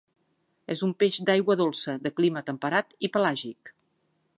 És un peix d'aigua dolça, de clima temperat i pelàgic.